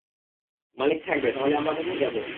মালিক থাকবে, তাহলে আমরা কোথায় যাবো?